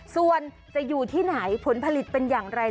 ส่วนจะอยู่ที่ไหนผลผลิตเป็นอย่างไร